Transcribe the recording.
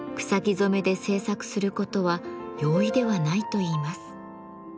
染めで制作することは容易ではないといいます。